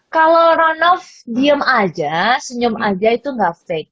kalau ranom diem aja senyum aja itu nggak fake